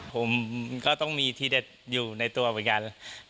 ผมก็ต้องมีทีเด็ดอยู่ในตัวเหมือนกัน